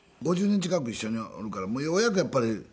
５０年近く一緒におるからようやくやっぱり。